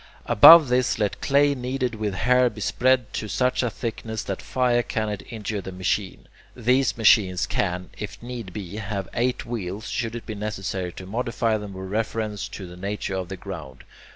Above this let clay kneaded with hair be spread to such a thickness that fire cannot injure the machine. These machines can, if need be, have eight wheels, should it be necessary to modify them with reference to the nature of the ground.